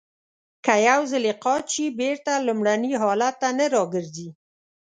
که یو ځلی قات شي بېرته لومړني حالت ته نه را گرځي.